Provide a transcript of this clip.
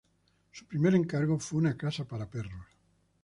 Su primer encargo fue una casa para perros.